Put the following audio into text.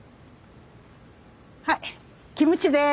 はいキムチです。